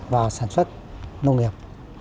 và sản xuất nông nghiệp